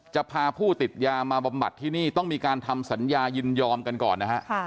จะพาผู้ติดยามาบำบัดที่นี่ต้องมีการทำสัญญายินยอมกันก่อนนะฮะ